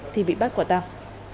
thì bị bắt quả tăng